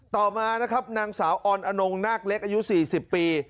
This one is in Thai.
ต่อมานะครับนางสาวออนอนงนาคเล็กอายุ๔๐ปี